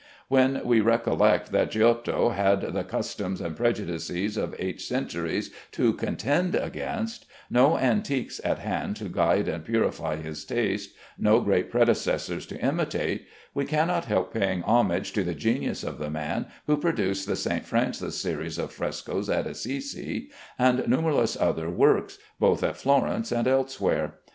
When we recollect that Giotto had the customs and prejudices of eight centuries to contend against, no antiques at hand to guide and purify his taste, no great predecessors to imitate, we cannot help paying homage to the genius of the man who produced the St. Francis series of frescoes at Assisi, and numberless other works, both at Florence and elsewhere.